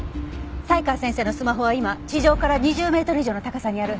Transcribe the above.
才川先生のスマホは今地上から２０メートル以上の高さにある。